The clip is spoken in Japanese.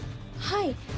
はい。